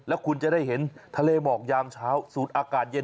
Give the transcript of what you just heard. แล้วคุณจะได้เห็นทะเลหมอกยามเช้าสูตรอากาศเย็น